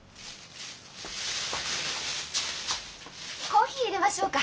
コーヒーいれましょうか？